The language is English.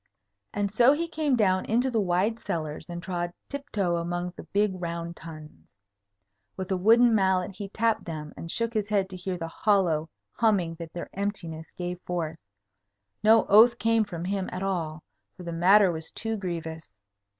And so he came down into the wide cellars, and trod tiptoe among the big round tuns. With a wooden mallet he tapped them, and shook his head to hear the hollow humming that their emptiness gave forth. No oath came from him at all, for the matter was too grievous.